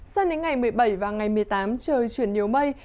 sang đến ngày một mươi bảy và ngày một mươi tám trời chuyển nhiều mây